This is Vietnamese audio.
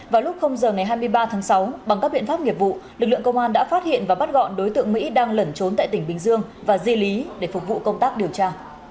vào lúc giờ ngày hai mươi ba tháng sáu bằng các biện pháp nghiệp vụ lực lượng công an đã phát hiện và bắt gọn đối tượng mỹ đang lẩn trốn tại tỉnh bình dương và di lý để phục vụ công tác điều tra